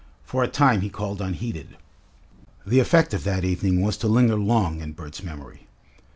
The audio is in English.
For a time he called unheeded. The effect of that evening was to linger long in Bert's memory.